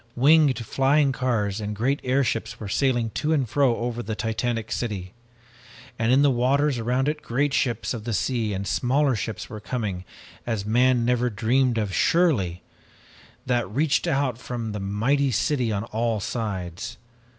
"Winged flying cars and great airships were sailing to and fro over the titanic city, and in the waters around it great ships of the sea and smaller ships were coming as man never dreamed of surely, that reached out from the mighty city on all sides.